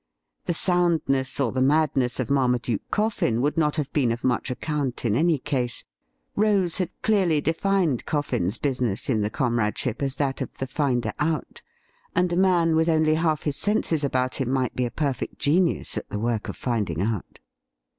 The soundness or the madness of Marmaduke Coffin would not have been of much account in any case. Rose had clearly defined Coffin's business in the comrade ship as that of the finder out, and a man with only half his senses about him might be a perfect genius at the work of finding out.